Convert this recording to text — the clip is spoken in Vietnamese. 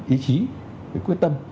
ý chí cái quyết tâm